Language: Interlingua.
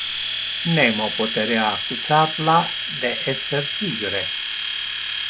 Nemo poterea accusar la de esser pigre.